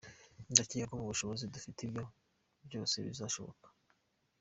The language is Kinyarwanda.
Ndakeka ko mu bushobozi dufite ibyo byose bizashoboka.